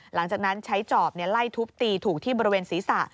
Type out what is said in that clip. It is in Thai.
หลังจากนั้นใช้จอบไล่ทุบตีถูกที่บริเวณศีรษะ